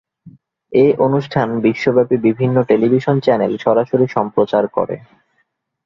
এ অনুষ্ঠান বিশ্বব্যাপী বিভিন্ন টেলিভিশন চ্যানেল সরাসরি সম্প্রচার করে।